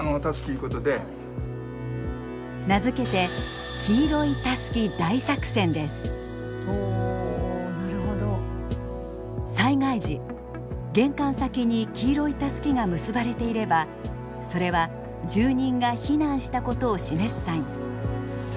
名付けて災害時玄関先に黄色いタスキが結ばれていればそれは住人が避難したことを示すサイン。